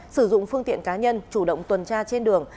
sử dụng phương tiện cá nhân chủ động tuần tra trên đường